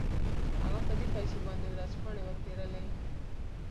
هغه په دې پيسو باندې ورځپاڼې وپېرلې.